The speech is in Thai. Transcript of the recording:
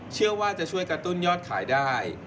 เชื่อว่าจะช่วยกระตุ้นยอดขายได้